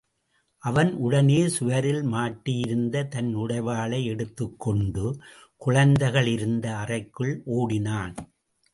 அவன் உடனே சுவரில் மாட்டியிருந்த தன் உடைவாளை எடுத்துக்கொண்டு, குழந்தைகள் இருந்த அறைக்குள் ஓடினான்.